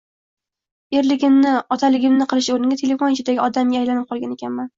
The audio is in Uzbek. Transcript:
Erligimni, otaligimni qilish o`rniga telefon ichidagi odamga aylanib qolgan ekanman